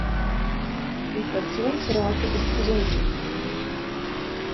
Die Inflationsrate ist gesunken.